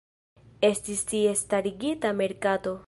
Estis tie starigita merkato.